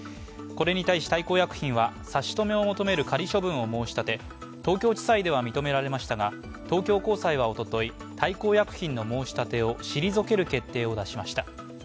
これに対し大幸薬品は差し止めを求める仮処分を申し立て東京地裁では認められましたが東京高裁は大幸薬品の申し立てを退ける決定を出しました。